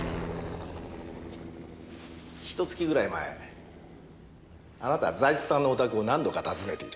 ひと月ぐらい前あなた財津さんのお宅を何度か訪ねている。